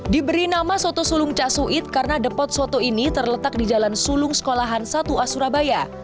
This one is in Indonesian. diberi nama soto sulung cak suit karena depot soto ini terletak di jalan sulung sekolahan satu a surabaya